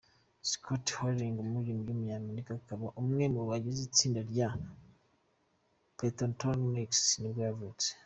Scott Hoying, umuririmbyi w’umunyamerika akaba umwe mu bagize itsinda rya Pentatonix nibwo yavutse.